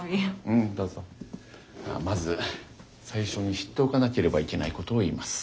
まず最初に知っておかなければいけないことを言います。